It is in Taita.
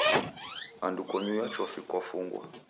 Andu konyuya chofi kwafungwa.